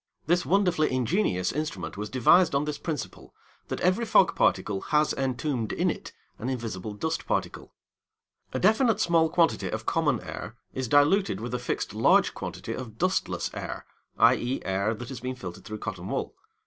This wonderfully ingenious instrument was devised on this principle, that every fog particle has entombed in it an invisible dust particle. A definite small quantity of common air is diluted with a fixed large quantity of dustless air (i.e. air that has been filtered through cotton wool).